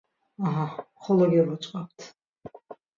Aha xolo gevoç̌ǩapt.